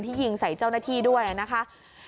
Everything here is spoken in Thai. ยิงใส่เจ้าหน้าที่ด้วยนะคะ